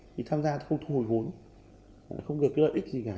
thì tham gia không thu hút nguồn không được cái lợi ích gì cả